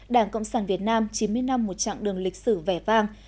đảng cộng sản việt nam chín mươi năm một chặng đường lịch sử vẻ vang